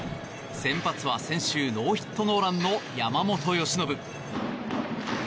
先発は先週ノーヒットノーランの山本由伸。